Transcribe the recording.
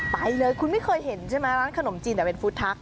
ไปเลยคุณไม่เคยเห็นใช่ไหมร้านขนมจีนแต่เป็นฟู้ดทัก